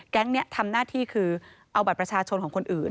นี้ทำหน้าที่คือเอาบัตรประชาชนของคนอื่น